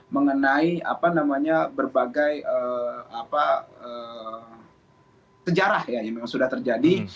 mengenai berbagai sejarah yang memang sudah terjadi